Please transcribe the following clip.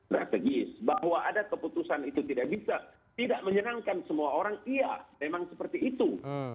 strategis bahwa ada keputusan itu tidak bisa tidak menyenangkan semua orang iya memang seperti itu